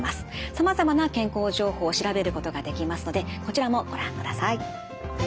さまざまな健康情報を調べることができますのでこちらもご覧ください。